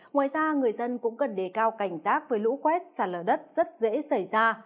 ngoài ra người dân cũng cần đề cao cảnh giác với lũ quét sạt lở đất rất dễ xảy ra